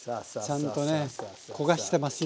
ちゃんとね焦がしてますよ。